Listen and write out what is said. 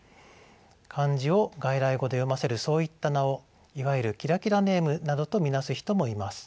漢字を外来語で読ませるそういった名をいわゆるキラキラネームなどと見なす人もいます。